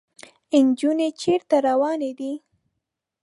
انجونې چېرته روانې دي ؟